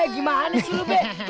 gimana sih lu be